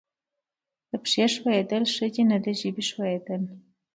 د پښې ښویېدل ښه دي نه د ژبې ښویېدل.